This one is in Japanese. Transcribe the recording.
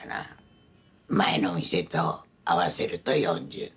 前の店と合わせると４０。